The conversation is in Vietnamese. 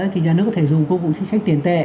thì nhà nước có thể dùng công cụ chính sách tiền tệ